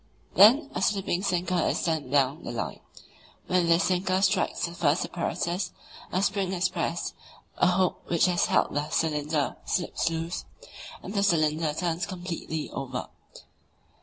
Then a slipping sinker is sent down the line. When this sinker strikes the first apparatus, a spring is pressed, a hook (e) which has held the cylinder slips loose, and the cylinder turns completely over (Apparatus I.).